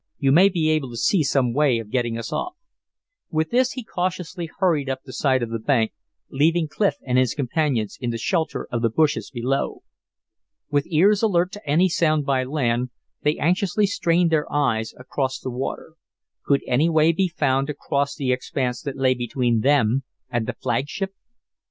You may be able to see some way of getting us off." With this he cautiously hurried up the side of the bank, leaving Clif and his companions in the shelter of the bushes below. With ears alert to any sound by land, they anxiously strained their eyes across the water. Could any way be found to cross the expanse that lay between them and the flagship?